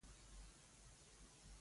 دولس ښاخونه لري.